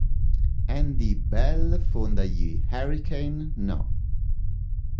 Andy Bell fonda gli Hurricane No.